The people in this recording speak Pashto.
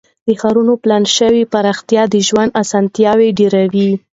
د ښارونو پلان شوې پراختیا د ژوند اسانتیاوې ډیروي.